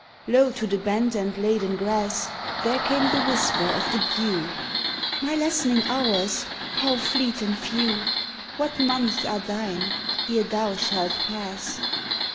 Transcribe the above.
Low to the bent and laden grass There came the whisper of the dew: "My lessening hours, how fleet and few! What months are thine ere thou shalt pass!"